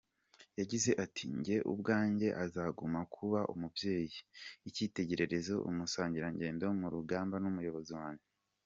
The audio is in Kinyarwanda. Yagize ati “Njye ubwanjye azaguma kuba umubyeyi, ikitegererezo, umusangirangendo mu rugamba n’umuyobozi wanjye.